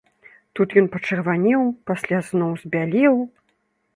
Тут ён пачырванеў, пасля зноў збялеў.